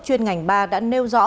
chuyên ngành ba đã nêu rõ